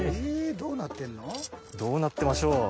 どうなってましょう。